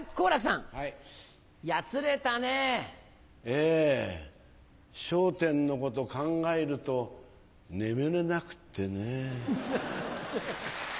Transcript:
ええ『笑点』のこと考えると眠れなくってね。